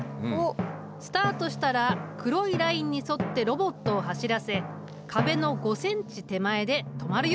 スタートしたら黒いラインに沿ってロボットを走らせ壁の５ｃｍ手前で止まるようにしてほしい。